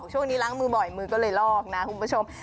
ช่วงนี้ล้างมือบ่อยมือก็เลยลอกนะคุณผู้ชม